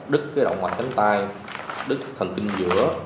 đứt cái động mạch cánh tay đứt thần kinh giữa